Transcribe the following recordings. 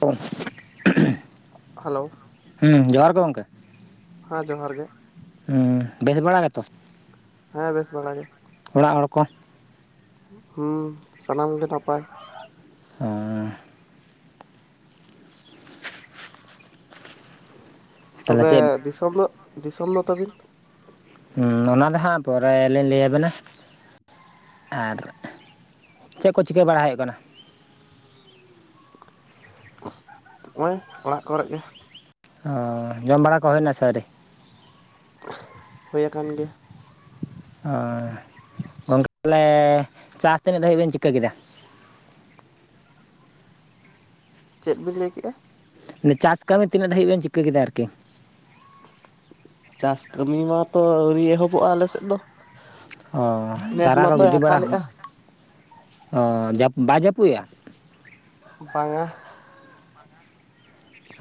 ᱚ [unintelligible] ᱦᱮᱞᱳ ᱦᱩᱸ ᱡᱚᱦᱟᱨ ᱜᱮ ᱜᱚᱝᱠᱮ ᱦᱮᱸ ᱡᱚᱦᱟᱨ ᱜᱮ ᱦᱩᱸ ᱵᱮᱥ ᱵᱟᱲᱟ ᱜᱮᱛᱚ ᱦᱮᱸ ᱵᱮᱥ ᱵᱟᱲᱟ ᱜᱮ ᱚᱲᱟᱜ ᱦᱚᱲ ᱠᱚ ᱦᱩᱸ ᱥᱟᱱᱟᱢ ᱜᱮ ᱱᱟᱯᱟᱭ ᱦᱚᱸ ᱛᱟᱦᱚᱞᱮ ᱛᱚᱵᱮ ᱪᱮᱫ ᱫᱤᱥᱚᱢ ᱫᱚ, ᱫᱤᱥᱚᱢ ᱫᱚ ᱛᱟᱵᱤᱱ ᱦᱩᱸ ᱚᱱᱟ ᱫᱚ ᱦᱟᱸᱜ ᱯᱚᱨᱮ ᱞᱤᱧ ᱞᱟᱹᱭ ᱟᱵᱮᱱᱟ ᱟᱨ ᱪᱮᱫ ᱠᱚ ᱪᱤᱠᱟᱹ ᱵᱟᱲᱟ ᱦᱩᱭᱩᱜ ᱠᱟᱱᱟ? ᱦᱚᱸᱜᱼᱚᱭ ᱚᱲᱟᱜ ᱠᱚᱨᱮᱫ ᱜᱮ ᱚᱸᱻ ᱡᱚᱢ ᱵᱟᱲᱟ ᱠᱚ ᱦᱩᱭᱱᱟ ᱥᱮ ᱟᱹᱣᱨᱤ ᱦᱩᱭᱟᱠᱟᱱ ᱜᱮᱭᱟ ᱚᱸᱻ ᱜᱚᱢᱠᱮ ᱛᱟᱞᱦᱮ ᱪᱟᱥ ᱛᱤᱱᱟᱹᱜ ᱫᱷᱟᱵᱤᱡ ᱵᱮᱱ ᱪᱤᱠᱟᱹ ᱠᱮᱫᱟ ᱪᱮᱫ ᱵᱤᱱ ᱞᱟᱹᱭ ᱠᱮᱜᱼᱟ ᱢᱟᱱᱮ ᱪᱟᱥ ᱠᱟᱹᱢᱤ ᱛᱤᱱᱟᱹᱜ ᱫᱷᱟᱵᱤᱡ ᱵᱮᱱ ᱪᱤᱠᱟᱹ ᱠᱮᱫᱟ ᱟᱨᱠᱤ ᱪᱟᱥ ᱠᱟᱹᱢᱤ ᱢᱟᱛᱚ ᱟᱹᱣᱨᱤ ᱮᱦᱚᱵᱚᱜᱼᱟ ᱟᱞᱮ ᱥᱮᱫ ᱫᱚ ᱚ ᱱᱮᱥ ᱪᱟᱨᱟ ᱠᱚ ᱢᱟᱛᱚᱭ ᱜᱤᱰᱤ ᱵᱟᱲᱟ, ᱟᱠᱟᱞᱮᱜᱼᱟ ᱚ ᱵᱟᱭ ᱡᱟᱹᱯᱩᱫ ᱮᱜ-ᱟ ᱵᱟᱝᱼᱟ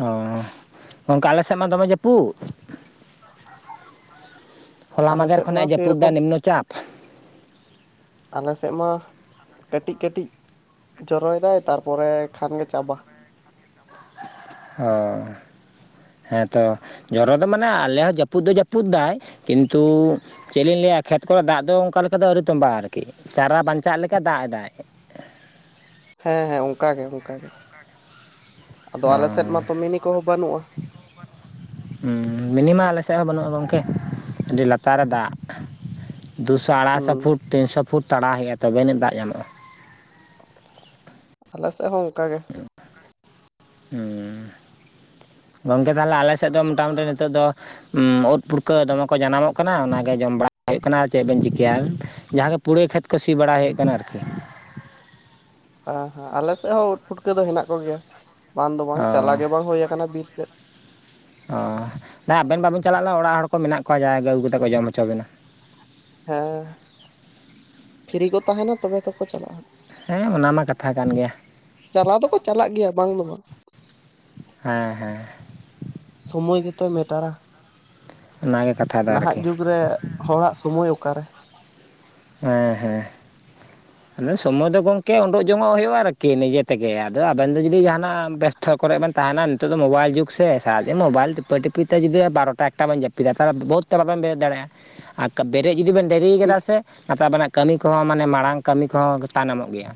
ᱚᱻ ᱜᱚᱝᱠᱮ ᱟᱞᱮ ᱥᱮᱫ ᱢᱟ ᱫᱚᱢᱮ ᱡᱟᱹᱯᱩᱫ ᱦᱚᱞᱟ ᱟᱞᱮ ᱢᱟᱫᱷᱮᱨ ᱥᱮᱫ ᱠᱷᱚᱱ ᱢᱟ ᱟᱜ ᱡᱟᱹᱯᱩᱫ ᱫᱟ ᱥᱮᱨᱚᱠᱚᱢ ᱱᱤᱢᱱᱚ ᱪᱟᱯ᱾ ᱟᱞᱮ ᱥᱮᱫ ᱢᱟ ᱠᱟᱹᱴᱤᱡ ᱠᱟᱹᱴᱤᱡ ᱡᱚᱨᱚᱭ ᱮᱫᱟᱭ, ᱛᱟᱨᱯᱚᱨᱮ ᱠᱷᱟᱱ ᱜᱮ ᱪᱟᱵᱟ᱾ ᱦᱚᱭ ᱦᱮᱸᱛᱚ ᱡᱚᱨᱚ ᱫᱚ ᱢᱟᱱᱮ ᱟᱞᱮ ᱦᱚᱸ ᱡᱟᱹᱯᱩᱫ ᱫᱚ ᱡᱟᱹᱯᱩᱫ ᱫᱟᱭ ᱠᱤᱱᱛᱩ ᱪᱮᱫ ᱞᱤᱧ ᱞᱟᱹᱭᱟ ᱠᱷᱮᱛ ᱠᱚᱨᱮ ᱫᱟᱜ ᱫᱚ ᱚᱱᱠᱟ ᱞᱮᱠᱟ ᱫᱚ ᱟᱹᱣᱨᱤ ᱛᱚᱸᱵᱟ ᱟᱜ ᱟᱨᱠᱤ ᱪᱟᱨᱟ ᱵᱟᱧᱪᱟᱜ ᱞᱮᱠᱟ ᱫᱟᱜ ᱮᱫᱟᱭ᱾ ᱦᱮᱸ ᱦᱮᱸ ᱚᱱᱠᱟ ᱜᱮ, ᱚᱱᱠᱟ ᱜᱮ᱾ ᱟᱫᱚ ᱚᱻ ᱟᱞᱮ ᱥᱮᱫ ᱢᱟᱛᱚ ᱢᱤᱱᱤ ᱠᱚᱦᱚᱸ ᱵᱟᱹᱱᱩᱜᱼᱟ ᱦᱩᱸ ᱢᱤᱱᱤᱢᱟ ᱟᱞᱮ ᱥᱮᱫ ᱦᱚᱸ ᱵᱟᱹᱱᱩᱜᱼᱟ ᱜᱚᱝᱠᱮ, ᱟᱹᱰᱤ ᱞᱟᱛᱟᱨ ᱨᱮ ᱫᱟᱜ᱾ ᱫᱩᱥᱚ ᱟᱲᱟᱭ ᱥᱚ ᱦᱩᱸ ᱯᱷᱩᱴ ᱛᱤᱱᱥᱚ ᱯᱷᱩᱴ ᱛᱟᱲᱟᱣ ᱦᱩᱭᱩᱜᱼᱟ᱾ᱛᱚᱵᱮ ᱟᱹᱱᱟᱤᱡ ᱫᱟᱜ ᱧᱟᱢᱚᱜᱼᱟ᱾ ᱟᱞᱮ ᱥᱮᱫ ᱦᱚᱸ ᱚᱱᱠᱟ ᱜᱮ᱾ ᱜᱚᱝᱠᱮ ᱛᱟᱞᱚᱦᱮ ᱟᱞᱮ ᱥᱮᱫ ᱫᱚ ᱢᱚᱴᱟ ᱢᱩᱴᱤ ᱱᱤᱛᱚᱜ ᱫᱚ ᱳᱫ ᱯᱩᱴᱠᱟᱹ ᱫᱚᱢᱮ ᱠᱚ ᱡᱟᱱᱟᱢᱚᱜ ᱠᱟᱱᱟ᱾ ᱚᱱᱟ ᱜᱮ ᱡᱚᱢ ᱵᱟᱲᱟ ᱦᱩᱭᱩᱜ ᱠᱟᱱᱟ ᱪᱮᱫ ᱵᱮᱱ ᱪᱤᱠᱟᱹᱭᱟ᱾ ᱡᱟᱦᱟᱸ ᱫᱚ ᱯᱩᱨᱟᱹᱭ ᱠᱷᱮᱛ ᱠᱚ ᱥᱤ ᱵᱟᱲᱟ ᱦᱩᱭᱩᱜ ᱠᱟᱱᱟ ᱟᱨᱠᱤ ᱦᱮᱸ ᱦᱮᱸ ᱟᱞᱮ ᱥᱮᱫ ᱦᱚᱸ ᱳᱫ ᱯᱩᱴᱠᱟᱹ ᱫᱚ ᱦᱮᱱᱟᱜ ᱠᱚᱜᱮᱭᱟ, ᱵᱟᱝ ᱫᱚ ᱵᱟᱝ ᱪᱟᱞᱟᱣ ᱜᱮ ᱵᱟᱝ ᱦᱳᱭ ᱟᱠᱟᱱᱟ ᱵᱤᱨ ᱥᱮᱫ ᱚᱻ ᱟᱵᱮᱱ ᱵᱟᱵᱮᱱ ᱪᱟᱞᱟᱜ ᱞᱮ ᱚᱲᱟᱜ ᱦᱚᱲ ᱠᱚ ᱢᱮᱱᱟᱜ ᱠᱚᱣᱟ, ᱡᱟᱦᱟᱭ ᱜᱮ ᱟᱹᱜᱩ ᱠᱟᱛᱮ ᱠᱚ ᱡᱚᱢ ᱦᱚᱪᱚ ᱵᱤᱱᱟ᱾ ᱦᱮᱸ ᱯᱷᱤᱨᱤ ᱠᱚ ᱛᱟᱦᱮᱱᱟ ᱛᱚᱵᱮ ᱛᱚᱠᱚ ᱪᱟᱞᱟᱜᱼᱟ᱾ ᱦᱮᱸ ᱚᱱᱟ ᱢᱟ ᱠᱟᱛᱷᱟ ᱠᱟᱱ ᱜᱮᱭᱟ᱾ ᱪᱟᱞᱟᱣ ᱫᱚᱠᱚ ᱪᱟᱞᱟᱜ ᱜᱮᱭᱟ᱾ ᱵᱟᱝ ᱫᱚ ᱵᱟᱝ ᱦᱮᱸ ᱦᱮᱸ ᱥᱚᱢᱚᱭ ᱜᱮᱛᱮ ᱢᱮᱴᱟᱨᱟ᱾ ᱚᱱᱟᱜᱮ ᱠᱟᱛᱷᱟ ᱫᱚ ᱱᱟᱦᱟᱜ ᱟᱨᱠᱤ ᱡᱩᱜᱽ ᱨᱮ ᱦᱚᱲᱟᱜ ᱥᱚᱢᱚᱭ ᱚᱠᱟᱨᱮ ᱦᱮᱸ ᱦᱮᱸ ᱥᱚᱢᱚᱭ ᱫᱚ ᱜᱚᱝᱠᱮ ᱳᱰᱳᱜ ᱡᱚᱝ-ᱚᱜ ᱦᱩᱭᱩᱜᱼᱟ᱾ ᱟᱨᱠᱤ ᱱᱤᱡᱮ ᱛᱮᱜᱮ ᱟᱫᱚ ᱟᱵᱮᱱ ᱫᱚ ᱡᱩᱫᱤ ᱡᱟᱦᱟᱱᱟᱜ ᱵᱮᱥ ᱛᱚ ᱠᱚᱨᱮ ᱵᱮᱱ ᱛᱟᱦᱮᱱᱟ ᱱᱤᱛᱚᱜ ᱫᱚ ᱢᱳᱵᱟᱭᱤᱞ ᱡᱩᱜᱽ ᱥᱮ ᱥᱟᱨᱟ ᱫᱤᱱ ᱢᱳᱵᱟᱭᱤᱞ ᱴᱤᱯᱟᱹ ᱴᱤᱯᱤ ᱛᱮ ᱡᱩᱫᱤ ᱵᱟᱨᱚᱴᱟ ᱮᱠᱴᱟ ᱵᱮᱱ ᱡᱟᱹᱯᱤᱫᱟ ᱛᱟᱦᱚᱞᱮ ᱵᱷᱳᱨ ᱛᱮ ᱵᱟ ᱵᱮᱱ ᱵᱮᱨᱮᱫ ᱫᱟᱲᱮᱭᱟᱜᱼᱟ ᱟᱨ ᱵᱮᱨᱮᱫ ᱡᱩᱫᱤ ᱵᱮᱱ ᱰᱮᱨᱤ ᱟᱠᱟᱫᱟ ᱴᱷᱤᱠ ᱥᱮ ᱱᱟᱛ ᱟᱵᱮᱱᱟᱜ ᱠᱟᱹᱢᱤ ᱠᱚᱦᱚᱸ ᱢᱟᱱᱮ ᱢᱟᱲᱟᱝ ᱠᱟᱹᱢᱤ ᱠᱚᱦᱚᱸ ᱛᱟᱭᱱᱚᱢ ᱚᱜ ᱜᱮᱭᱟ᱾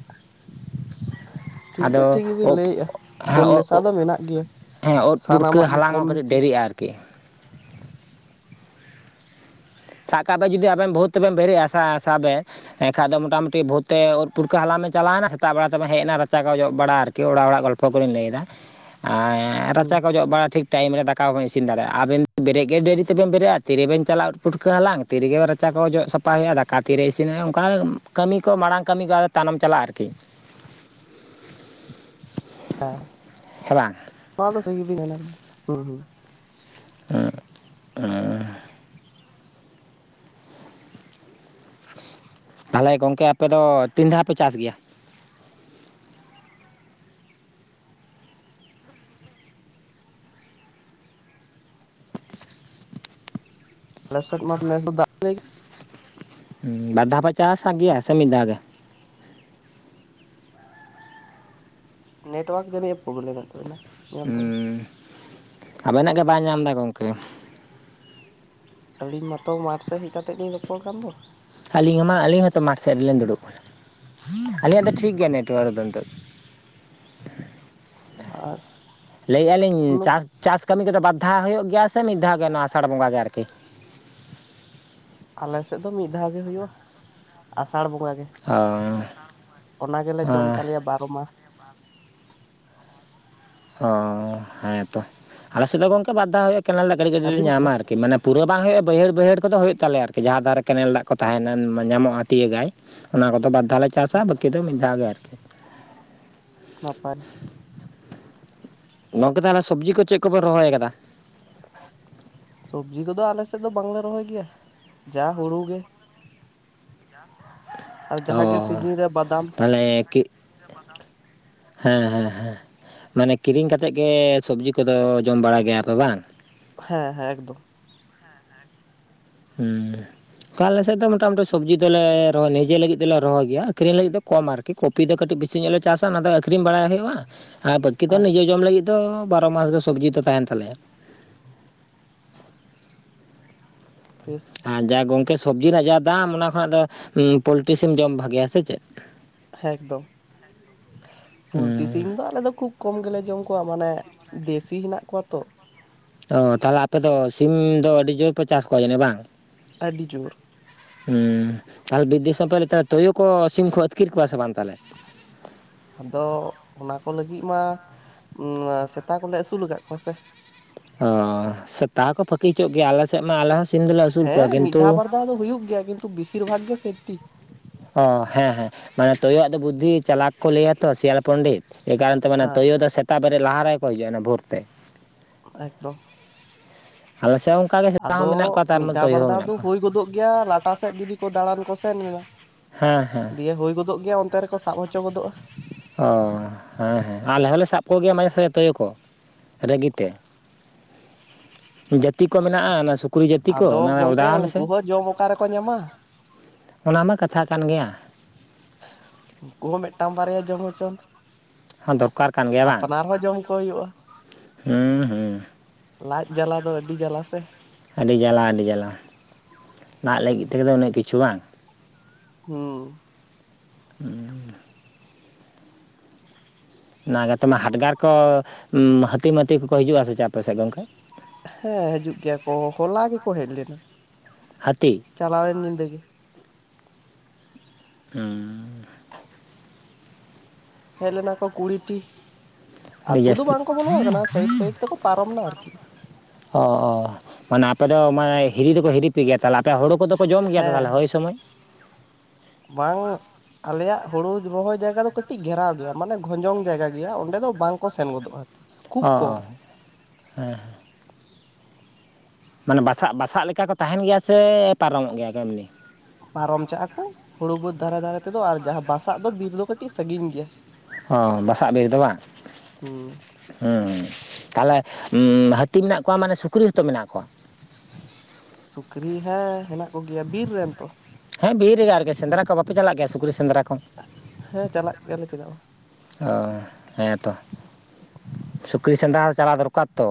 ᱴᱷᱤᱠ ᱫᱚ ᱟᱫᱚ ᱴᱷᱤᱠ ᱜᱮ ᱵᱤᱱ ᱳᱫ ᱞᱟᱹᱭᱮᱜᱼᱟ᱾ ᱯᱷᱳᱱ ᱱᱮᱥᱟ ᱫᱚ ᱢᱮᱱᱟᱜ ᱜᱮᱭᱟ᱾ᱥᱟᱱᱟᱢᱟᱜ ᱜᱮ ᱠᱚᱢ ᱵᱮᱥᱤ ᱠᱮᱜ ᱥᱟᱵ ᱠᱟ ᱵᱮᱱ ᱡᱩᱫᱤ ᱟᱵᱮᱱ ᱵᱷᱳᱨ ᱛᱮᱵᱮᱱ ᱵᱮᱨᱮᱜᱼᱟ ᱥᱟᱼ ᱥᱟᱵ ᱵᱮ ᱮᱱᱠᱷᱟᱡ ᱫᱚ ᱢᱚᱴᱟᱢᱩᱴᱤ ᱵᱷᱳᱨ ᱛᱮ ᱳᱫ ᱯᱩᱴᱠᱟᱹ ᱦᱟᱞᱟᱝ ᱵᱮᱱ ᱪᱟᱞᱟᱣᱱᱟ ᱥᱮᱛᱟᱜ ᱵᱮᱲᱟ ᱫᱚ ᱦᱮᱡ ᱮᱱᱟ ᱨᱟᱪᱟ ᱠᱚ ᱡᱚᱜ ᱵᱟᱲᱟ ᱟᱨᱠᱤ ᱠᱤ ᱚᱲᱟᱜ ᱚᱲᱟᱜ ᱜᱚᱞᱯᱷᱚ ᱠᱚᱵᱤᱱ ᱞᱟᱹᱭ ᱮᱫᱟ [unintelligible] ᱟᱨ ᱨᱟᱪᱟ ᱦᱩᱸ ᱠᱚ ᱡᱚᱜ ᱵᱟᱲᱟ ᱴᱷᱤᱠ ᱴᱟᱭᱤᱢ ᱨᱮ ᱫᱟᱠᱟ ᱵᱟ ᱵᱤᱱ ᱤᱥᱤᱱ ᱫᱟᱲᱮᱭᱟᱜᱼᱟ, ᱟᱵᱮᱱ ᱵᱮᱨᱮᱜ ᱜᱮ ᱰᱮᱨᱤ ᱛᱮᱵᱮᱱ ᱵᱮᱨᱮᱜᱼᱟ ᱛᱤᱨᱮᱵᱮᱱ ᱪᱟᱞᱟᱜ ᱯᱩᱴᱠᱟᱹ ᱦᱟᱞᱟᱝ ᱛᱤᱨᱮ ᱜᱮ ᱨᱟᱪᱟ ᱠᱚ ᱡᱚᱜ ᱥᱟᱯᱟᱭ ᱦᱩᱭᱩᱜᱼᱟ? ᱫᱟᱠᱟ ᱛᱤᱨᱮ ᱤᱥᱤᱱᱼᱟ? ᱚᱱᱠᱟ ᱠᱟᱹᱢᱤ ᱠᱚ ᱢᱟᱲᱟᱝ ᱠᱟᱹᱢᱤ ᱠᱚ ᱛᱟᱱᱟᱢ ᱪᱟᱞᱟᱜᱼᱟ ᱟᱨᱠᱤ [inaudible] ᱦᱮᱸ ᱦᱮᱸ ᱵᱟᱝ ᱱᱚᱣᱟ ᱫᱚ ᱥᱟᱹᱜᱤᱵ ᱢᱮᱱᱟ ᱦᱮᱸ [unintelligible] ᱛᱟᱞᱚᱦᱮ ᱜᱚᱝᱠᱮ ᱟᱯᱮ ᱫᱚ ᱛᱤᱱ ᱫᱷᱟᱣ ᱯᱮ ᱪᱟᱥ ᱜᱮᱭᱟ? [unintelligible] ᱵᱟᱨ ᱫᱷᱟᱣᱯᱮ ᱪᱟᱥᱟ ᱜᱮᱭᱟ ᱥᱮ ᱢᱤᱫ ᱫᱷᱟᱣ ᱜᱮ? ᱱᱮᱴᱣᱟᱨᱠ ᱡᱟᱱᱤᱹᱡ ᱮ ᱯᱚᱵᱽᱞᱮᱢ ᱮ ᱛᱟᱵᱮᱱᱟ᱾ ᱦᱮᱸ ᱟᱵᱮᱱᱟᱜ ᱜᱮ ᱵᱟᱭ ᱧᱟᱢ ᱮᱫᱟ ᱜᱚᱢᱠᱮ᱾ ᱟᱹᱞᱤᱧ ᱢᱟᱛᱚ ᱢᱟᱴᱷ ᱥᱮᱫ ᱦᱮᱡ ᱠᱟᱛᱮᱜ ᱞᱤᱧ ᱨᱚᱯᱚᱲ ᱠᱟᱱ ᱫᱚ ᱟᱹᱞᱤᱧ ᱦᱚᱸ ᱢᱟ ᱟᱹᱞᱤᱧ ᱦᱚᱸᱛᱚ ᱢᱟᱴᱷ ᱥᱮᱫ ᱨᱮᱞᱤᱧ ᱫᱩᱲᱩᱵ ᱠᱟᱱᱟ᱾ ᱟᱹᱞᱤᱧᱟᱜ ᱫᱚ ᱴᱷᱤᱠ ᱜᱮᱭᱟ ᱱᱮᱴᱣᱟᱨᱠ ᱫᱚ ᱟᱨ ᱞᱟᱹᱭᱮᱜᱼᱟ ᱞᱤᱧ ᱩᱱᱟᱹᱜ ᱪᱟᱥ ᱪᱟᱥ ᱠᱟᱹᱢᱤ ᱠᱚᱫᱚ ᱵᱟᱨᱫᱷᱟᱣ ᱦᱩᱭᱩᱜ ᱜᱮᱭᱟ ᱥᱮ ᱢᱤᱫ ᱫᱷᱟᱣ ᱜᱮ ᱱᱚᱣᱟ ᱟᱥᱟᱲ ᱵᱚᱸᱜᱟ ᱜᱮ ᱟᱨᱠᱤ? ᱟᱞᱮᱥᱮᱫ ᱫᱚ ᱢᱤᱫ ᱫᱷᱟᱣ ᱜᱮ ᱦᱩᱭᱩᱜᱼᱟ ᱟᱥᱟᱲ ᱵᱚᱸᱜᱟ ᱜᱮ᱾ ᱚ ᱚᱱᱟ ᱜᱮᱞᱮ ᱡᱚᱢ ᱛᱟᱞᱮᱭᱟ ᱵᱟᱨᱚ ᱢᱟᱥ᱾ ᱚ ᱦᱮᱸ ᱛᱚ ᱟᱞᱮ ᱥᱮᱫ ᱫᱚ ᱜᱚᱝᱠᱮ ᱵᱟᱫᱷᱟ ᱦᱩᱭᱩᱜᱼᱟ ᱠᱮ ᱜᱟᱹᱰᱤ ᱜᱟᱹᱰᱤ ᱞᱮ ᱟᱹᱵᱤᱱ ᱥᱮᱫ ᱧᱟᱢᱟ ᱫᱚ ᱟᱨᱠᱤ ᱢᱟᱱᱮ ᱯᱩᱨᱟᱹ ᱵᱟᱝ ᱦᱩᱭᱩᱜᱼᱟ ᱵᱟᱹᱭᱦᱟᱹᱲ ᱵᱟᱹᱭᱦᱟᱹᱲ ᱠᱚᱫᱚ ᱦᱩᱭᱩᱜ ᱛᱟᱞᱮᱭᱟ ᱟᱨᱠᱤ ᱡᱟᱦᱟᱸ ᱫᱟᱨᱮ [inaudible] ᱠᱮᱱᱮᱞ ᱫᱟᱜ ᱠᱚ ᱛᱟᱦᱮᱱᱟ ᱧᱟᱢᱚᱜᱼᱟ ᱛᱤᱭᱟᱹᱜᱟᱭ ᱚᱱᱟ ᱠᱚᱫᱚ ᱵᱟᱨᱫᱷᱟᱣ ᱞᱮ ᱪᱟᱥᱟ ᱵᱟᱹᱠᱤ ᱫᱚ ᱢᱤᱫ ᱫᱷᱟᱣ ᱜᱮ ᱟᱨᱠᱤ᱾ ᱱᱟᱯᱟᱭ ᱜᱚᱢᱠᱮ ᱛᱟᱦᱚᱞᱮ ᱥᱚᱵᱽᱡᱤ ᱠᱚ ᱪᱮᱫ ᱠᱚᱯᱮ ᱨᱚᱦᱚᱭ ᱟᱠᱟᱫᱟ? ᱥᱚᱵᱽᱡᱤ ᱠᱚᱫᱚ ᱟᱞᱮ ᱥᱮᱫ ᱫᱚ ᱵᱟᱝᱞᱮ ᱨᱚᱦᱚᱭ ᱜᱮᱭᱟ ᱡᱟ ᱦᱩᱲᱩ ᱜᱮ᱾ ᱟᱨ ᱡᱟᱦᱟᱸ ᱜᱮ ᱥᱤᱡᱤᱱ ᱨᱮ ᱵᱟᱫᱟᱢ ᱟᱞᱮ ᱠᱤ [inaudible] ᱦᱮᱸ ᱦᱮᱸ ᱦᱮᱸ ᱢᱟᱱᱮ ᱠᱤᱨᱤᱧ ᱠᱟ ᱠᱟᱛᱮᱮᱫ ᱜᱮ ᱥᱚᱵᱽᱡᱤ ᱠᱚᱫᱚ ᱡᱚᱢ ᱵᱟᱲ ᱜᱮᱭᱟᱯᱮ ᱵᱟᱝ? ᱦᱮᱸ ᱦᱮᱸ ᱮᱠᱫᱚᱢ᱾ ᱦᱩᱸᱠᱟ ᱟᱞᱮᱥᱮᱫ ᱫᱚ ᱢᱚᱴᱟᱢᱩᱴᱤ ᱥᱚᱵᱽᱡᱤ ᱫᱚᱞᱮ ᱨᱚᱦᱚᱭ ᱱᱤᱡᱮ ᱞᱟᱹᱜᱤᱫ ᱫᱚᱞᱮ ᱨᱚᱦᱚᱭ ᱜᱮᱭᱟ ᱟᱠᱷᱟᱨᱤᱧ ᱞᱟᱹᱜᱤᱫ ᱫᱚ ᱠᱚᱢ ᱟᱨᱠᱤ ᱠᱚᱯᱷᱤ ᱫᱚ ᱠᱟᱴᱤᱡ ᱵᱤᱥᱤ ᱧᱚᱜᱞ ᱞᱮ ᱪᱟᱥᱟ ᱚᱱᱟᱫᱚ ᱟᱠᱷᱨᱤᱧ ᱵᱟᱲᱟ ᱞᱮ ᱾ ᱟᱨ ᱵᱟᱹᱠᱤ ᱫᱚ ᱟᱪᱪᱷᱟ ᱱᱤᱡᱮ ᱡᱚᱢ ᱞᱟᱹᱜᱤᱫ ᱫᱚ ᱵᱟᱨᱚ ᱢᱟᱥ ᱜᱮ ᱥᱚᱵᱡᱤ ᱫᱚ ᱛᱟᱦᱮᱸᱱ ᱛᱟᱞᱮᱭᱟ᱾ ᱯᱷᱮᱥ [unintelligible] ᱟᱨ ᱡᱟ ᱜᱚᱝᱠᱮ ᱥᱚᱵᱽᱡᱤ ᱨᱮᱱᱟᱜ ᱡᱟ ᱫᱟᱢ ᱚᱱᱟ ᱠᱷᱚᱱᱟᱜ ᱫᱚ ᱯᱳᱞᱴᱤ ᱥᱤᱢ ᱡᱚᱢ ᱵᱷᱟᱜᱤᱭᱟ ᱥᱮ ᱪᱮᱫ? ᱦᱮᱸ ᱮᱠᱫᱚᱢ ᱯᱩᱞᱴᱤ ᱦᱩᱸ ᱥᱤᱢ ᱫᱚ ᱟᱞᱮ ᱫᱚ ᱠᱷᱩᱵ ᱠᱚᱢ ᱜᱮᱞᱮ ᱡᱚᱢ ᱠᱚᱣᱟ ᱢᱟᱱᱮ ᱫᱮᱥᱤ ᱦᱮᱱᱟᱜ ᱠᱚᱣᱟ ᱛᱚ ᱛᱚ ᱛᱟᱦᱚᱞᱮ ᱟᱯᱮ ᱫᱚ ᱥᱤᱢ ᱫᱚ ᱟᱹᱰᱤ ᱡᱳᱨ ᱯᱮ ᱪᱟᱥ ᱠᱚᱣᱟ ᱡᱟᱹᱱᱤᱡ ᱵᱟᱝ? ᱟᱹᱰᱤ ᱡᱳᱨ ᱛᱟᱦᱚᱞᱮ ᱵᱤᱨ ᱫᱤᱥᱚᱢ ᱠᱚᱞᱮᱠᱟ ᱛᱩᱭᱩ ᱠᱚ ᱥᱤᱢ ᱠᱚ ᱟᱹᱛᱠᱤᱨ ᱠᱚᱣᱟ ᱥᱮ ᱵᱟᱝ ᱛᱟᱦᱚᱞᱮ? ᱟᱫᱚ ᱚᱱᱟ ᱠᱚ ᱞᱟᱹᱜᱤᱫ ᱢᱟ ᱥᱮᱛᱟ ᱠᱚᱞᱮ ᱟᱹᱥᱩᱞ ᱟᱠᱟᱫ ᱠᱚᱣᱟ ᱥᱮ? ᱚ ᱥᱮᱛᱟ ᱠᱚ ᱯᱷᱟᱹᱠᱤ ᱦᱚᱪᱚᱜ ᱜᱮᱭᱟ ᱟᱞᱮ ᱥᱮᱫ ᱢᱟ ᱟᱞᱮ ᱥᱤᱢ ᱫᱚᱞᱮ ᱟᱹᱥᱩᱞ ᱠᱚᱣᱟ ᱦᱮᱸ ᱢᱤᱫ ᱠᱤᱱᱛᱩ ᱫᱷᱟᱣ ᱵᱟᱨ ᱫᱷᱟᱣ ᱫᱚ ᱦᱩᱭᱩᱜ ᱜᱮᱭᱟ ᱠᱤᱱᱛᱩ ᱵᱤᱥᱤᱨ ᱵᱷᱟᱜᱽ ᱜᱮ ᱥᱮᱯᱴᱤ ᱚ ᱦᱮᱸ ᱦᱮᱸ ᱢᱟᱱᱮ ᱛᱳᱭᱳ ᱟᱜ ᱫᱚ ᱵᱩᱫᱽᱫᱷᱤ ᱪᱟᱞᱟᱠ ᱠᱚ ᱞᱟᱹᱭᱟ ᱛᱚ ᱥᱮᱭᱟᱞ ᱯᱚᱱᱰᱤᱛ ᱮ ᱠᱟᱨᱚᱱ ᱛᱮ ᱢᱟᱱᱮ ᱦᱮᱸ ᱛᱳᱭᱳ ᱫᱚ ᱥᱮᱛᱟᱜ ᱵᱮᱨᱮᱫ ᱞᱟᱦᱟ ᱨᱮᱠᱚ ᱦᱤᱡᱩᱜᱼᱟ ᱚᱱᱟ ᱵᱷᱳᱨ ᱛᱮ ᱮᱠᱫᱚᱢ ᱟᱞᱮ ᱥᱮᱫ ᱦᱚᱸ ᱚᱱᱠᱟᱜᱮ ᱥᱮᱛᱟ ᱦᱚᱸ ᱟᱫᱚ ᱢᱮᱱᱟᱜ ᱠᱚᱣᱟ ᱛᱟᱨ ᱢᱤᱫ ᱢᱚᱫᱽᱫᱷᱮ ᱫᱷᱟᱣ ᱛᱳᱭᱳ ᱵᱟᱨ ᱦᱚᱸ ᱫᱷᱟᱣ ᱢᱮᱱᱟᱜ ᱫᱚ ᱠᱚᱣᱟ ᱦᱩᱭ ᱜᱚᱫᱚᱜ ᱜᱮᱭᱟ ᱮᱴᱟᱜ ᱥᱮᱫ ᱡᱩᱫᱤ ᱠᱚ ᱫᱟᱬᱟᱱ ᱠᱚ ᱥᱮᱱ ᱮᱱᱟ ᱦᱮᱸ ᱦᱮᱸ ᱫᱤᱭᱮ ᱦᱩᱭ ᱜᱚᱫᱚᱜ ᱜᱮᱭᱟ ᱚᱱᱛᱮ ᱨᱮᱠᱚ ᱥᱟᱵ ᱦᱚᱪᱚ ᱜᱚᱫᱚᱜᱼᱟ᱾ ᱚ ᱦᱮᱸ ᱦᱮᱸ ᱟᱞᱮ ᱦᱚᱸᱞᱮ ᱥᱟᱵ ᱠᱚᱜᱮᱭᱟ ᱢᱟᱡᱷᱮ ᱥᱟᱡᱷᱮ ᱛᱩᱭᱩ ᱠᱚ ᱨᱟᱹᱜᱤᱛᱮ ᱡᱟᱹᱛᱤ ᱠᱚ ᱢᱮᱱᱟᱜᱼᱟ ᱚᱱᱟ ᱥᱩᱛ [inaudible] ᱡᱟᱹᱛᱤ ᱠᱚ ᱟᱫᱚ ᱚᱱᱟ ᱜᱚᱝᱠᱮ ᱚᱫᱟᱜ ᱢᱮᱥᱮ ᱩᱱᱠᱩ ᱦᱚᱸ ᱡᱚᱢ ᱚᱠᱟ ᱨᱮᱠᱚ ᱧᱟᱢᱟ ᱚᱱᱟ ᱢᱟ ᱠᱟᱛᱷᱟ ᱠᱟᱱ ᱜᱮᱭᱟ ᱩᱱᱠᱩ ᱦᱚᱸ ᱢᱤᱫᱴᱟᱝ ᱵᱟᱨᱭᱟ ᱡᱚᱢ ᱦᱚᱪᱚᱱ ᱦᱚᱸ ᱫᱚᱨᱠᱟᱨ ᱠᱟᱱ ᱜᱮᱭᱟ ᱵᱟᱝ ᱟᱯᱱᱟᱨ ᱦᱚᱸ ᱡᱚᱢ ᱠᱚ ᱦᱩᱭᱩᱜᱼᱟ ᱦᱩᱸ ᱦᱩᱸ ᱞᱟᱡ ᱡᱟᱞᱟ ᱫᱚ ᱟᱹᱰᱤ ᱡᱟᱞᱟ ᱥᱮ ᱟᱹᱰᱤ ᱡᱟᱞᱟ ᱟᱹᱰᱤ ᱡᱟᱞᱟ ᱫᱟᱜ ᱞᱟᱹᱜᱤᱫ ᱛᱜᱮᱚ ᱩᱱᱟᱹᱜ ᱠᱤᱪᱷᱩ ᱵᱟᱝ ᱦᱩ ᱦᱩ [inaudible] ᱚᱱᱟ ᱜᱟᱛᱮ ᱢᱟ ᱦᱟᱰᱜᱟᱨ ᱠᱚ ᱦᱟᱹᱛᱤᱼᱢᱟᱹᱛᱤ ᱠᱚᱠᱚ ᱦᱤᱡᱩᱜᱼᱟ ᱥᱮ ᱪᱮ ᱟᱯᱮ ᱥᱮᱫ ᱜᱚᱢᱠᱮ ᱦᱮᱸ ᱦᱤᱡᱩᱜ ᱜᱮᱭᱟ ᱠᱚ ᱦᱚᱞᱟ ᱜᱮᱠᱚ ᱦᱮᱡ ᱞᱮᱱᱟ᱾ ᱦᱟᱛᱤ ᱪᱟᱞᱟᱣᱮᱱ ᱧᱤᱫᱟᱹ ᱜᱮ ᱦᱩᱸᱻ ᱦᱮᱡ ᱞᱮᱱᱟ ᱠᱚ ᱠᱩᱲᱤᱴᱤ ᱟᱹᱰᱤ ᱟᱛᱩ ᱫᱚ ᱡᱟᱹᱥᱛᱤ ᱵᱟᱝ ᱠᱚ ᱵᱚᱞᱚ ᱟᱠᱟᱱᱟ ᱥᱟᱭᱤᱰ ᱥᱟᱭᱤᱰ ᱛᱮᱠᱚ ᱯᱟᱨᱚᱢ ᱱᱟ ᱟᱨᱠᱤ᱾ ᱚ ᱚ ᱢᱟᱱᱮ ᱟᱯᱮᱫᱚ ᱢᱟᱱᱮ ᱦᱤᱨᱤ ᱫᱚᱠᱚ ᱦᱤᱨᱤ [inaudible] ᱛᱟᱦᱮ ᱟᱯᱮ ᱦᱳᱨᱳ ᱠᱚᱫᱚ ᱠᱚ ᱡᱚᱢ ᱜᱮᱭᱟ ᱦᱮᱸ ᱛᱟᱦᱚᱞᱮ ᱦᱚᱭ ᱥᱚᱢᱚᱭ ᱵᱟᱝ ᱟᱞᱮᱭᱟᱜ ᱦᱳᱲᱳ ᱨᱚᱦᱚᱭ ᱡᱟᱭᱜᱟ ᱫᱚ ᱠᱟᱹᱴᱤᱡ ᱜᱷᱮᱨᱟᱣ ᱜᱮᱭᱟ ᱢᱟᱱᱮ ᱜᱷᱚᱸᱡᱚᱝ ᱡᱟᱭᱜᱟ ᱜᱮᱭᱟ ᱚᱸᱰᱮ ᱫᱚ ᱵᱟᱝ ᱠᱚ ᱥᱮᱱ ᱜᱚᱫᱚᱜᱼᱟ ᱠᱷᱩᱵ ᱚ ᱠᱚᱢ ᱦᱮᱸ ᱢᱟᱱᱮ ᱵᱟᱥᱟᱜ ᱵᱟᱥᱟᱜ ᱞᱮᱠᱟ ᱠᱚ ᱛᱟᱦᱮᱱ ᱜᱮᱭᱟ ᱥᱮ ᱯᱟᱨᱚᱢᱚᱜ ᱜᱮᱭᱟ ᱠᱚ ᱮᱢᱱᱤ ᱯᱟᱨᱚᱢᱪᱟᱜᱼᱟᱠᱚ ᱦᱩᱲᱩ ᱵᱟᱹᱫᱽ ᱫᱷᱟᱨᱮ ᱫᱷᱟᱨᱮ ᱛᱮᱫᱚ ᱟᱨ ᱡᱟᱦᱟᱸ ᱵᱟᱥᱟᱜ ᱫᱚ ᱵᱤᱨ ᱫᱚ ᱠᱟᱹᱴᱤᱡ ᱥᱟᱸᱜᱤᱧ ᱜᱮᱭᱟ ᱚ ᱵᱟᱥᱟᱜ ᱵᱤᱨ ᱫᱚ ᱵᱟᱝ ᱦᱩᱸ ᱦᱮᱸ ᱛᱟᱦᱞᱮ ᱦᱟᱹᱛᱤ ᱢᱮᱱᱟᱜ ᱠᱚᱣᱟ ᱢᱟᱱᱮ ᱥᱩᱠᱨᱤ ᱦᱚᱛᱚ ᱢᱮᱱᱟᱜ ᱠᱚᱣᱟ ᱥᱩᱠᱨᱤ ᱦᱮᱸ ᱦᱮᱱᱟᱜ ᱠᱚᱜᱮᱭᱟ ᱵᱤᱨ ᱨᱮᱱ ᱛᱚ ᱦᱮᱸ ᱵᱤᱨ ᱨᱮᱜᱮ ᱟᱨᱠᱤ ᱥᱮᱸᱫᱽᱨᱟ ᱠᱚ ᱵᱟᱯᱮ ᱪᱟᱞᱟᱜ ᱜᱮᱭᱟ ᱥᱩᱠᱨᱤ ᱥᱮᱸᱫᱽᱨᱟ ᱠᱚ᱾ ᱦᱮᱸ ᱪᱟᱞᱟᱜ ᱜᱮᱭᱟᱞᱮ ᱪᱮᱫᱟᱜ ᱵᱟᱝ ᱚ ᱦᱮᱸᱛᱚ ᱥᱩᱠᱨᱤ ᱥᱮᱸᱫᱽᱨᱟ ᱪᱟᱞᱟᱜ ᱫᱚᱨᱠᱟᱨ ᱛᱚ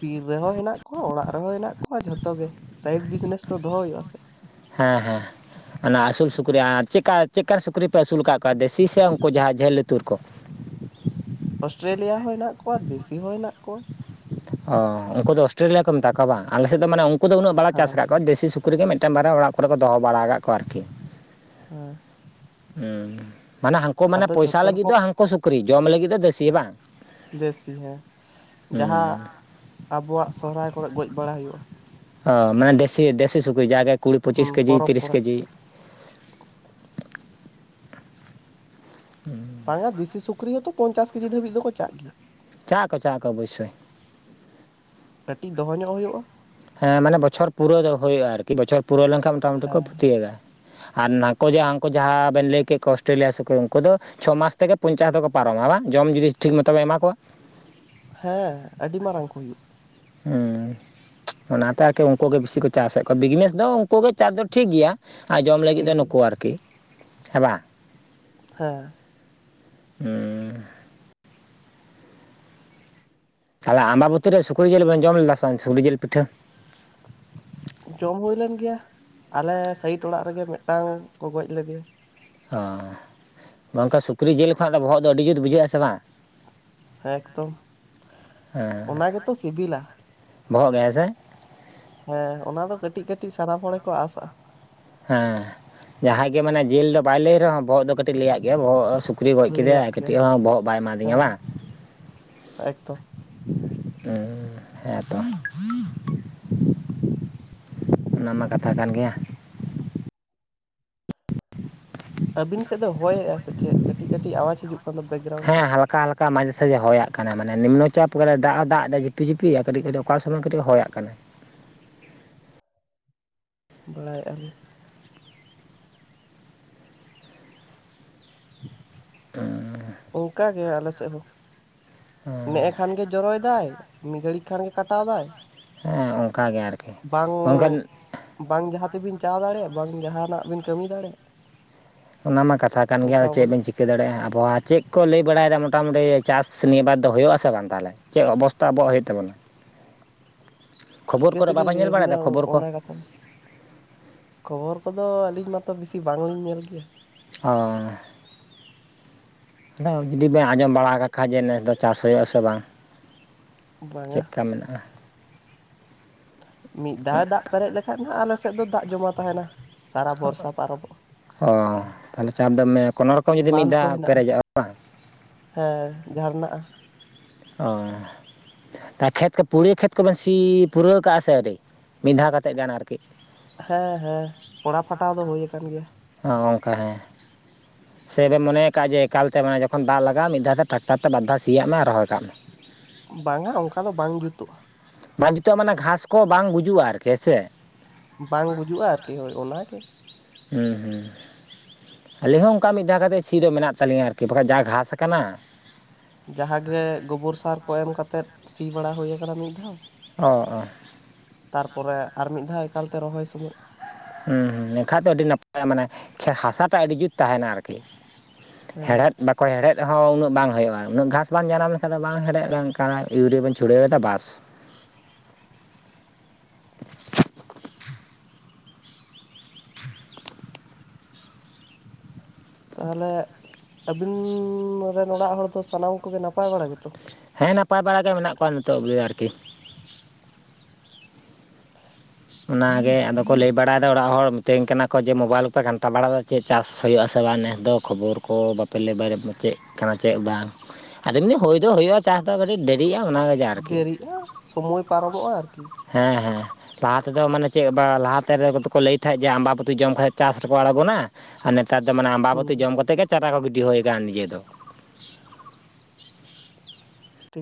ᱵᱤᱨ ᱨᱮᱦᱚᱸ ᱦᱮᱱᱟᱜ ᱠᱚᱣᱟ ᱚᱲᱟᱜ ᱨᱮᱦᱚᱸ ᱦᱮᱱᱟᱜ ᱠᱚᱣᱟ ᱡᱷᱚᱛᱚ ᱜᱮ ᱥᱟᱭᱤᱰ ᱵᱤᱡᱽᱱᱮᱥ ᱫᱚ ᱫᱚᱦᱚ ᱦᱩᱭᱩᱜ ᱟ ᱥᱮ ᱦᱮᱸ ᱦᱮᱸ ᱚᱱᱟ ᱟᱹᱥᱩᱞ ᱥᱩᱠᱨᱤ ᱟᱨ ᱪᱠᱟ ᱪᱮᱫ ᱠᱟᱱ ᱥᱩᱠᱨᱤ ᱯᱮ ᱟᱹᱥᱩᱞ ᱟᱠᱟᱫ ᱠᱚᱣᱟ ᱫᱮᱥᱤ ᱥᱮ ᱩᱱᱠᱩ ᱡᱟᱦᱟᱸ ᱡᱷᱟᱹᱞ ᱞᱩᱛᱩᱨ ᱠᱚ ᱚᱥᱴᱨᱮᱞᱤᱭᱟ ᱦᱚᱸ ᱦᱮᱱᱟᱜ ᱠᱚᱣᱟ ᱫᱮᱥᱤ ᱦᱚᱸ ᱦᱮᱱᱟᱜ ᱠᱚᱣᱟ᱾ ᱚ ᱩᱱᱠᱩ ᱫᱚ ᱚᱥᱴᱨᱮᱞᱤᱭᱟ ᱠᱚ ᱢᱮᱛᱟ ᱠᱚᱣᱟ ᱵᱟᱝ ᱟᱞᱮ ᱥᱮᱫ ᱫᱚ ᱢᱟᱱᱮ ᱩᱱᱠᱩ ᱫᱚ ᱩᱱᱟᱹᱜ ᱵᱟᱞᱮ ᱪᱟᱥ ᱦᱮᱸ ᱟᱠᱟᱫ ᱠᱚᱣᱟ ᱫᱮᱥᱤ ᱥᱩᱠ ᱩᱠᱨᱤ ᱜᱮ ᱢᱤᱫᱴᱟᱝ ᱵᱟᱨᱭᱟ ᱚᱲᱟᱜ ᱠᱚᱨᱮ ᱠᱚ ᱫᱚᱦᱚ ᱵᱟᱲᱟ ᱟᱠᱟᱫ ᱠᱚᱣᱟ ᱟᱨᱠᱤ ᱦᱮᱸ ᱢᱟᱱᱮ ᱦᱟᱱᱠᱩ ᱢᱟᱱᱮ ᱟᱫᱚ ᱯᱚᱭᱥᱟ ᱡᱷᱚᱛᱚ ᱞᱟᱹᱜᱤᱫ ᱫᱚ ᱨᱚᱠᱚᱢ ᱦᱟᱱᱠᱚ ᱥᱩᱠᱨᱤ ᱡᱚᱢ ᱞᱟᱹᱜᱤᱫ ᱫᱚ ᱫᱮᱥᱤ ᱵᱟᱝ ᱫᱮᱥᱤ ᱦᱮᱸ ᱡᱟᱦᱟᱸ ᱦᱩᱸ ᱟᱵᱚᱣᱟᱜ ᱥᱚᱦᱨᱟᱭ ᱠᱚᱨᱮ ᱜᱚᱡ ᱵᱟᱲᱟ ᱦᱩᱭᱩᱜᱼᱟ ᱚ ᱢᱟᱱᱮ ᱫᱮᱥᱤ ᱫᱮᱥᱤ ᱥᱩᱠᱨᱤ ᱡᱟᱜᱮ ᱠᱩᱲᱤ ᱯᱚᱸᱪᱤᱥ ᱦᱩᱸ ᱠᱮᱡᱤ ᱯᱚᱨᱚᱵᱽ ᱛᱤᱨᱤᱥ ᱠᱚᱨᱮ ᱠᱮᱡᱤ [inaudible] ᱵᱟᱝ ᱫᱮᱥᱤ ᱥᱩᱠᱨᱤ ᱦᱚᱸᱛᱚ ᱯᱚᱱᱪᱟᱥ ᱠᱮᱡᱤ ᱫᱷᱟᱹᱵᱤᱡ ᱫᱚᱠᱚ ᱪᱟᱜ ᱪᱟᱜ ᱟᱠᱚ ᱪᱟᱜ ᱟᱠᱚ ᱚᱵᱚᱥᱳᱭ᱾ ᱠᱟᱹᱴᱤᱡ ᱫᱚᱦᱚ ᱧᱚᱜ ᱦᱩᱭᱩᱜᱼᱟ ᱦᱮᱸ ᱢᱟᱱᱮ ᱵᱚᱪᱷᱚᱨ ᱯᱩᱨᱟᱹ ᱫᱚ ᱦᱩᱭᱩᱜᱼᱟ ᱟᱨᱠᱤ ᱵᱚᱪᱷᱚᱨ ᱯᱩᱨᱟᱹᱣ ᱞᱮᱱᱠᱷᱟᱱ ᱢᱚᱴᱟᱢᱩᱴᱤ ᱠᱚ ᱦᱮᱸ [unintelligible] ᱟᱨ ᱱᱟᱠᱚ ᱡᱟᱦᱟᱸ ᱦᱟᱱᱠᱩ ᱡᱟᱦᱟᱸ ᱵᱮᱱ ᱞᱟᱹᱭ ᱠᱮᱫ ᱠᱚᱣᱟ ᱚᱥᱴᱨᱮᱞᱤᱭᱟ ᱥᱩᱠᱨᱮ ᱩᱱᱠᱩ ᱫᱚ ᱪᱷᱚ ᱢᱟᱥ ᱛᱮᱜᱮ ᱯᱚᱧᱪᱟᱥ ᱫᱚᱠᱚ ᱯᱟᱨᱚᱢᱟ ᱵᱟᱝ ᱡᱚᱢ ᱡᱩᱫᱤ ᱴᱷᱤᱠ ᱢᱚᱛᱚᱢ ᱮᱢᱟ ᱠᱚᱣᱟ ᱦᱮᱸ ᱟᱹᱰᱤ ᱢᱟᱨᱟᱝ ᱠᱚ ᱦᱩᱭᱩᱜᱼᱟ ᱦᱩᱸ ᱚᱱᱟᱛᱮ ᱟᱨᱠᱤ ᱩᱱᱠᱩ ᱜᱮ ᱵᱤᱥᱤ ᱠᱚ ᱪᱟᱥᱮᱫ ᱠᱚᱣᱟ ᱵᱤᱡᱽᱱᱮᱥ ᱫᱚ ᱩᱱᱠᱩ ᱜᱮ ᱪᱟᱥ ᱫᱚ ᱴᱷᱤᱠ ᱜᱮᱭᱟ᱾ ᱟᱨ ᱡᱚᱢ ᱞᱟᱹᱜᱤᱫ ᱴᱷᱤᱠ ᱫᱚ ᱜᱮᱭᱟ ᱱᱩᱠᱩ ᱟᱨᱠᱤ ᱦᱮᱸ ᱵᱟᱝ ᱦᱮᱸ ᱦᱩᱸ ᱛᱟᱦᱚᱞ ᱟᱢᱵᱟᱵᱚᱛᱤ ᱨᱮ ᱥᱠᱨᱤ ᱡᱤᱞ ᱵᱮᱱ ᱡᱚᱢ ᱞᱮᱫᱟ ᱥᱮ ᱵᱟᱝ ᱥᱩᱠᱨᱤ ᱡᱤᱞ ᱯᱤᱴᱷᱟᱹ ᱡᱚᱢ ᱦᱩᱭ ᱞᱮᱱ ᱜᱮᱭᱟ ᱟᱞᱮ ᱥᱟᱭᱤᱴ ᱚᱲᱟᱜ ᱨᱮᱜᱮ ᱢᱤᱫᱴᱟᱝ ᱠᱚ ᱜᱚᱡ ᱞᱮᱫᱮᱭᱟ ᱚ ᱜᱚᱝᱠᱮ ᱥᱩᱠᱨᱤ ᱡᱤᱞ ᱠᱷᱚᱱᱟᱜ ᱫᱚ ᱵᱚᱦᱚᱜ ᱫᱚ ᱟᱹᱰᱤ ᱡᱩᱛ ᱵᱩᱡᱷᱟᱹᱜᱼᱟ ᱥᱮ ᱵᱟᱝ ᱦᱮᱸ ᱮᱠᱫᱚᱢ ᱦᱮᱸ ᱚᱱᱟ ᱜᱮᱛᱚ ᱥᱤᱵᱤᱞᱟ ᱵᱚᱦᱚᱜ ᱜᱮ ᱦᱮᱸᱥᱮ ᱦᱮᱸ ᱚᱱᱟ ᱫᱚ ᱠᱟᱹᱴᱤᱡ ᱠᱟᱹᱴᱤᱡ ᱥᱟᱨᱟᱢ ᱦᱚᱲ ᱜᱮᱠᱚ ᱟᱥᱟᱜᱼᱟ ᱦᱮᱸ ᱡᱟᱦᱟᱸᱭ ᱜᱮ ᱢᱟᱱᱮ ᱡᱤᱞ ᱫᱚ ᱵᱟᱭ ᱞᱟᱹᱭ ᱨᱮᱦᱚᱸ ᱵᱚᱦᱚᱜ ᱫᱚ ᱠᱟᱹᱴᱤᱡ ᱞᱟᱹᱭᱟᱜ ᱜᱮᱭᱟ ᱵᱚᱦᱚᱜ [inaudible] ᱜᱚᱡ ᱞᱟᱹᱭᱟᱜ ᱠᱮᱫᱮᱟᱭ ᱠᱟᱹᱴᱤᱡ ᱦᱚᱸ ᱵᱚᱦᱚᱜ ᱵᱟᱭ ᱮᱢᱟᱫᱤᱧᱟ ᱵᱟᱝ ᱮᱠᱛᱚ ᱦᱮᱸ ᱦᱮᱸᱛᱚ [unintelligible] ᱚᱱᱟ ᱢᱟ ᱠᱟᱛᱷᱟ ᱠᱟᱱ ᱜᱮᱭᱟ ᱟᱹᱵᱤᱱ ᱥᱮᱫ ᱫᱚ ᱦᱚᱭᱮᱜᱼᱟ ᱥᱮ ᱪᱮᱫ ᱠᱟᱹᱴᱤᱡ ᱠᱟᱹᱴᱤᱡ ᱟᱣᱟᱡᱽ ᱦᱤᱡᱩᱜ ᱚᱠᱟ ᱫᱚ ᱵᱮᱠᱨᱟᱣᱩᱱ ᱾ ᱦᱮᱸ ᱦᱟᱞᱠᱟ ᱦᱟᱞᱠᱟ ᱾ ᱚᱱᱠᱟ ᱢᱟᱡᱷᱮ ᱥᱟᱡᱷᱮ ᱦᱚᱭᱟᱜᱟᱜ ᱠᱟᱱᱟ ᱢᱮ ᱱᱤᱢᱱᱚ ᱪᱟᱯ ᱠᱟᱛᱮ ᱫᱟᱜ ᱫᱟᱜ ᱮ ᱡᱤᱯᱤ ᱡᱤᱯᱤᱭᱤᱭᱟ ᱠᱟᱹᱴᱤᱡ ᱠᱟᱹᱴᱤᱡ ᱚᱠᱟ ᱥᱚᱢᱚᱭ ᱠᱟᱹᱴᱤᱡ ᱾ ᱦᱚᱭᱟᱜ ᱠᱟᱱᱟ ᱵᱟᱲᱟᱮᱸᱟᱞᱮᱼᱟ ᱞᱮ ᱾ [unintelligible] ᱚᱱᱠᱟ ᱜᱮ ᱟᱞᱮ ᱥᱮᱫ ᱦᱚᱸ ᱱᱮᱜᱮ ᱦᱮᱸ ᱠᱷᱟᱱ ᱜᱮ ᱡᱚᱨᱚᱭᱮᱫᱟᱭ ᱾ ᱢᱤᱫ ᱜᱷᱟᱹᱲᱤᱡ ᱠᱷᱟᱱ ᱜᱮ ᱠᱟᱴᱟᱣ ᱫᱟᱭ ᱾ ᱦᱮᱸ ᱚᱱᱠᱟ ᱜᱮ ᱟᱨᱠᱤ ᱢᱮᱱᱠᱷᱟᱱ ᱾ ᱵᱟᱝ ᱡᱟᱦᱟᱸ ᱛᱮᱵᱤᱱ ᱪᱟ ᱫᱟᱲᱮᱭᱟᱜ ᱵᱟᱝ ᱡᱟᱦᱟᱱᱟᱜ ᱵᱤᱱ ᱠᱟᱹᱢᱤ ᱫᱟᱲᱮᱭᱟᱜ ᱾ ᱚᱱᱟ ᱢᱟ ᱠᱟᱛᱷᱟ ᱠᱟᱱ ᱜᱮᱭᱟ ᱟᱨ ᱪᱮᱫ ᱵᱮᱱ ᱚᱵᱚᱥᱛᱷᱟ ᱪᱤᱠᱟᱹᱭᱟ ᱾ ᱪᱤᱠᱟᱹ ᱫᱟᱲᱮᱭᱟᱜᱼᱟ ᱟᱵᱚᱣᱟᱜ ᱪᱮᱫ ᱠᱚ ᱞᱟᱹᱭ ᱵᱟᱲᱟᱭᱮᱫᱟ ᱢᱚᱴᱟᱢᱩᱴᱤ ᱪᱟᱥ ᱱᱤᱭᱟᱹ ᱵᱟᱫ ᱫᱚ ᱦᱩᱭᱩᱜᱼᱟᱥ ᱥᱮ ᱵᱟᱝ ᱛᱟᱦᱚᱞᱮ ᱾ ᱪᱮᱫ ᱚᱵᱚᱥᱛᱟ ᱟᱵᱚᱣᱟᱜ ᱦᱩᱭᱩᱜ ᱛᱟᱵᱚᱱᱟ ᱾ ᱪᱤᱠᱟᱹ ᱛᱮᱞᱤᱧ ᱵᱟᱵᱚᱱ ᱧᱮᱞ ᱞᱟᱹᱭᱟᱵᱤᱱᱟ ᱵᱟᱲᱟᱭᱮᱫᱟ ᱠᱷᱚᱵᱚᱨ ᱠᱚ ᱚᱱᱟ ᱠᱟᱛᱷᱟ ᱫᱚ ᱾ ᱠᱷᱚᱵᱚᱨ ᱠᱚᱫᱚ ᱟᱹᱞᱤᱧ ᱢᱟᱛᱚ ᱵᱤᱥᱤ ᱵᱟᱝᱞᱤᱧ ᱧᱮᱞ ᱜᱮᱭᱟ ᱾ ᱦᱚᱭ ᱾ ᱟᱫᱚ ᱡᱩᱫᱤ ᱵᱮᱱ ᱟᱸᱡᱚᱢ ᱵᱟᱲᱟ ᱠᱟᱜ ᱠᱷᱟᱡ ᱡᱮ ᱱᱮᱥ ᱫᱚ ᱪᱟᱥ ᱦᱩᱭᱩᱜ ᱟᱥᱮ ᱵᱟᱝ ᱾ ᱪᱮᱫ ᱵᱟᱝᱟ ᱞᱮᱠᱟ ᱢᱮᱱᱟᱜᱼᱟ ᱾ ᱢᱤᱫ ᱫᱷᱟᱣᱮ ᱫᱟᱜ ᱯᱮᱨᱮᱡ ᱞᱮᱠᱷᱟᱱᱡ ᱫᱚ ᱟᱞᱮ ᱥᱮᱫ ᱫᱚ ᱫᱟᱜ ᱡᱚᱢᱟ ᱛᱟᱦᱮᱱᱟ ᱾ ᱚ ᱛᱟᱦᱞᱮ ᱪᱟᱯ ᱫᱚ ᱢᱮ ᱠᱳᱱᱳ ᱨᱚᱠᱚᱢ ᱡᱩᱫᱤ ᱢᱤᱫ ᱵᱟᱸᱫᱷ ᱠᱚ ᱫᱷᱟᱣ ᱦᱮᱱᱟᱜᱼᱟ ᱯᱮᱨᱮᱡᱚᱜᱼᱟ᱾ ᱦᱮᱸ ᱡᱟᱨᱱᱟᱜ-ᱟ ᱾ ᱚ᱾ ᱛᱟ ᱠᱦᱮᱛ ᱯᱩᱲᱭᱟᱹ ᱠᱷᱮᱛ ᱠᱚᱵᱚᱱ ᱥᱤ ᱯᱩᱨᱟᱹᱣ ᱠᱟᱜᱼᱟ ᱥᱮ ᱟᱹᱣᱨᱤ ᱢᱤᱫ ᱫᱷᱟᱣ ᱠᱟᱛᱮᱫ ᱾ ᱦᱮᱸ ᱦᱮᱸ ᱯᱚᱲᱟᱣᱯᱴᱟᱣ ᱫᱚ ᱦᱩᱭᱟ ᱟᱠᱟᱱ ᱜᱮᱭᱟ ᱾ ᱚᱱᱠᱟ ᱦᱮᱸ ᱾ ᱥᱮᱵᱮ ᱢᱚᱱᱮᱭ ᱠᱫ ᱡᱮ ᱮᱠᱟᱞ ᱢᱟᱱᱮ ᱡᱚᱠᱷᱚᱱ ᱫᱟᱜ ᱞᱟᱜᱟᱜᱼᱟ ᱢᱤᱫ ᱫᱷᱟᱣ ᱴᱨᱟᱠᱟᱨᱴᱟᱨ ᱛᱮ ᱵᱟᱟᱨᱫᱷᱟᱣ ᱥᱤᱭᱟᱜ ᱢᱮ ᱟᱨ ᱨᱚᱦᱚᱭ ᱠᱟᱜ ᱢᱮ ᱾ ᱵᱟᱝᱟ ᱚᱱᱠᱟ ᱫᱚ ᱵᱟᱝ ᱡᱩᱛᱩᱜᱼᱟ ᱾ ᱵᱟᱝ ᱱᱤᱛᱚᱜ ᱢᱟᱱᱮ ᱜᱷᱟᱸᱥ ᱠᱚ ᱵᱟᱝ ᱜᱩᱡᱩᱜᱼᱟ ᱟᱨᱠᱤ ᱦ ᱥᱮ ᱾ ᱵᱟᱝ ᱜᱩᱡᱩᱜᱼᱟ ᱟᱨᱠᱤ ᱦᱳᱭ ᱚᱱᱟᱜᱮ ᱾ ᱦᱩᱸ ᱦᱩᱸ ᱾ ᱟᱹᱞᱤᱦᱚ ᱦᱚᱸ ᱚᱱᱠᱟ ᱢᱤᱫ ᱫᱷᱟᱣ ᱠᱟᱛᱮᱫ ᱥᱤ ᱫᱚ ᱢᱮᱱᱟᱜ ᱛᱟᱹᱞᱤᱧᱟ ᱟᱨᱠᱤ ᱵᱟᱠᱷᱟᱱ ᱡᱟ ᱜᱷᱟᱥ ᱠᱟᱱᱟ ᱾ ᱡᱟᱦᱟᱸᱜᱮ ᱜᱳᱵᱚᱨ ᱥᱟᱨ ᱠᱚ ᱮᱢ ᱠᱟᱛᱮᱜ ᱥᱤ ᱵᱟᱲᱟ ᱦᱩᱭ ᱟᱠᱟᱱᱟ ᱢᱤᱫ ᱫᱷᱟᱣ ᱾ ᱚ ᱚ ᱾ ᱛᱟᱨᱯᱚᱨᱮ ᱟᱨ ᱢᱤᱫ ᱫᱷᱟᱣ ᱮᱠᱟᱞᱛᱮ ᱨᱚᱦᱚᱭ ᱥᱚᱢᱚᱭ ᱾ ᱦᱩᱸ ᱦᱩᱸ ᱮᱱᱠᱷᱟᱱ ᱫᱚ ᱟᱹᱰᱤ ᱱᱟᱯᱟᱭᱟ ᱢᱟᱱᱮ ᱠᱷᱮᱛ ᱦᱟᱥᱟᱴᱟ ᱟᱹᱰᱤ ᱡᱩᱛ ᱛᱟᱦᱮᱱᱟ ᱟᱨᱠᱤ ᱾ ᱦᱮᱸ ᱦᱮᱲᱦᱮᱫ ᱵᱮᱼ ᱚᱠᱚᱭ ᱦᱮᱲᱦᱮᱫ ᱨᱮ ᱦᱚᱸ ᱩᱱᱟᱹᱜ ᱵᱟᱝ ᱦᱩᱭᱩᱜᱼᱟ ᱩᱱᱟᱹᱜ ᱜᱷᱟᱥ ᱵᱟᱝ ᱡᱟᱱᱟᱢ ᱞᱮᱠᱷᱟ ᱫᱚ ᱵᱟᱝ ᱦᱮᱲᱦᱮᱫ ᱞᱮᱱ ᱠᱟᱱᱟ ᱤᱭᱩᱨᱤᱭᱟ ᱵᱚᱱ ᱪᱷᱩᱲᱟᱹᱣᱫᱟ ᱵᱟᱥ ᱾ ᱛᱟᱦᱚᱞᱮ ᱟᱹᱵᱤᱱ ᱨᱮᱱ ᱚᱲᱟᱜ ᱦᱚᱲ ᱠᱚ ᱫᱚ ᱥᱟᱱᱟᱢ ᱠᱚᱜᱮ ᱱᱟᱯᱟᱭ ᱵᱟᱲᱟ ᱜᱮᱛᱚ ᱾ ᱦᱮᱸ ᱱᱟᱯᱟᱭ ᱵᱟᱲᱟ ᱜᱮ ᱢᱮᱱᱟᱜ ᱠᱚᱣᱟ ᱱᱤᱛᱚᱜ ᱫᱚ ᱟᱨᱠᱤ᱾ ᱚᱱᱟᱜᱮ ᱟᱫᱚ ᱠᱚ ᱞᱟᱹᱭ ᱵᱟᱲᱟᱭᱮᱫᱟ ᱚᱲᱟᱜ ᱦᱚᱲ᱾ ᱢᱤᱛᱟᱹᱧ ᱠᱟᱱᱟ ᱠᱚ ᱡᱮ ᱢᱳᱵᱟᱭᱤᱞ ᱠᱚᱯᱮ ᱜᱷᱟᱱᱴᱟ ᱵᱟᱲᱟᱮᱫᱟ ᱪᱮᱫ ᱪᱟᱥ ᱦᱩᱭᱩᱜᱼᱟ ᱥᱮ ᱵᱟᱝ ᱱᱮᱥ ᱫᱚ ᱠᱷᱚᱵᱚᱨ ᱠᱚ ᱵᱟᱯᱮ ᱞᱟᱹᱭ ᱵᱟᱲᱟ ᱾ ᱪᱮᱫ ᱠᱟᱱᱟ ᱪᱮᱫ ᱵᱟᱝ ᱟᱫᱚ ᱮᱢᱱᱤ ᱦᱩᱭ ᱫᱚ ᱦᱩᱭᱩᱜᱼᱟ ᱪᱟᱥ ᱫᱚ ᱠᱟᱹᱴᱤᱡ ᱫᱮᱨᱤᱜᱼᱟ ᱚᱱᱟ ᱾ ᱫᱮᱨᱤᱜᱼᱟ ᱥᱚᱢᱚᱭ ᱯᱟᱨᱚᱢᱚᱜᱼᱟ ᱟᱨᱠᱤ ᱾ ᱦᱮᱸ ᱦᱮᱸ, ᱞᱟᱦᱟ ᱛᱮᱫᱚ ᱢᱟᱱᱮ ᱪᱮᱫ ᱞᱟᱦᱟᱛᱮᱮᱫ ᱠᱚ ᱞᱟᱹᱭ ᱛᱟᱦᱮᱸᱡ ᱡᱮ ᱟᱢᱟᱵᱚᱛᱤ ᱡᱚᱢ ᱠᱷᱟᱡ ᱪᱟᱥ ᱨᱮᱠᱚ ᱟᱬᱜᱚᱱᱟ ᱾ ᱟᱨ ᱱᱮᱛᱟᱨ ᱫᱚ ᱢᱟᱱᱮ ᱦᱩᱸ ᱟᱢᱟᱵᱚᱛᱤ ᱡᱚᱢ ᱠᱟᱛᱮᱮᱫ ᱜᱮ ᱪᱟᱨᱟ ᱠᱚ ᱜᱤᱰᱤ ᱦᱩᱭ ᱟᱠᱟᱱᱟ ᱱᱤᱡᱮ ᱫᱚ ᱾ [inaudible] ᱴᱷᱤᱠ